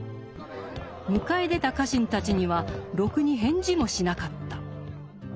迎え出た家臣たちにはろくに返事もしなかった。